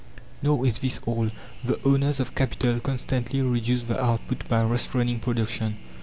Nor is this all. The owners of capital constantly reduce the output by restraining production.